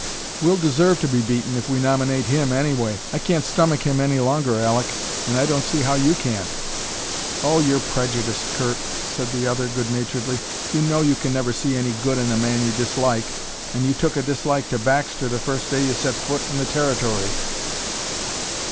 "We'll deserve to be beaten if we nominate him, anyway. I can't stomach him any longer, Aleck, and I don't see how you can." "Oh, you're prejudiced, Curt," said the other, good naturedly. "You know you can never see any good in a man you dislike, and you took a dislike to Baxter the first day you set foot in the Territory."